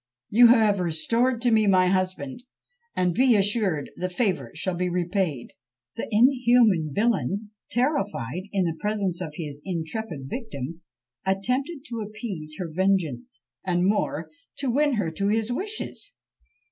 you have restored to me my husband! and be assured the favour shall be repaid!" The inhuman villain, terrified in the presence of his intrepid victim, attempted to appease her vengeance, and more, to win her to his wishes.